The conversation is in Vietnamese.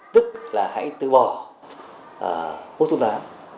tức là hãy tư bỏ hút thuốc lá